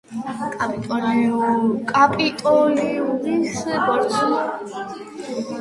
კაპიტოლიუმის ბორცვზე მდებარეობდა იუპიტერის ტაძარი, სადაც იმართებოდა სენატისა და სახალხო კრების შეხვედრები.